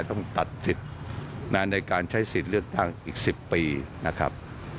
ต้องตัดสิทธิ์ในการใช้สิทธิ์เลือกตั้งอีก๑๐ปีนะครับ